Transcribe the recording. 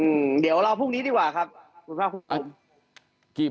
อืมเดี๋ยวเราลองพวงนี้ดีกว่าค่ะคุณภาคุณ